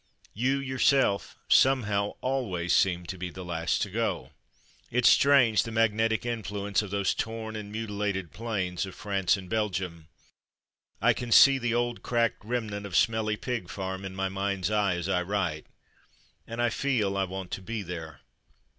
You yourself, some how, always seem to be the last to go. It's strange, the magnetic influence of those torn and mutilated plains of France and Belgium. I can see the old cracked remnant of Smelly Pig Farm in my mind's eye as I write, and I feel I want to be there.